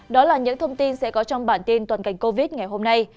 đó là những thông tin sẽ có trong bản tin toàn cảnh covid ngày hôm nay